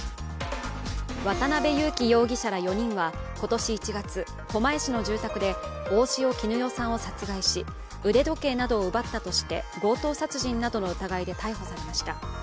渡辺優樹容疑者ら４人は今年１月、狛江市の住宅で、大塩衣与さんを殺害し、腕時計などを奪ったとして強盗殺人などの疑いで逮捕されました。